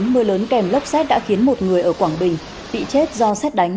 mưa lớn kèm lốc xét đã khiến một người ở quảng bình bị chết do xét đánh